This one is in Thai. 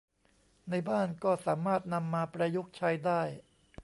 ในบ้านก็สามารถนำมาประยุกต์ใช้ได้